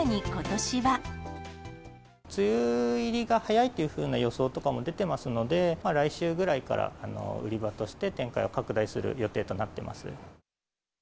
梅雨入りが早いというふうな予想とかも出てますので、来週ぐらいから売り場として展開を拡大する予定となっています。